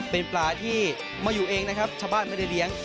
เป็นปลาที่มาอยู่เองนะครับชาวบ้านไม่ได้เลี้ยง